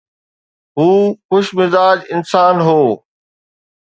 هو خوش مزاج انسان هو.